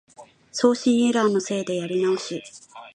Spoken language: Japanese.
送信エラーのせいでやり直し